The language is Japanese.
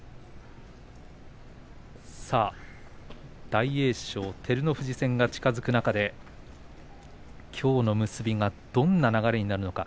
大栄翔、照ノ富士戦が近づく中できょうの結びがどんな流れになるのか。